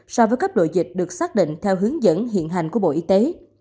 so với cấp độ dịch được xác định theo hướng dẫn hiện hành của bộ y tế